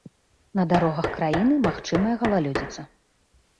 На дарогах краіны магчымая галалёдзіца.